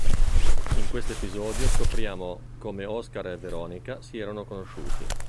In questo episodio scopriamo come Oscar e Veronica si erano conosciuti.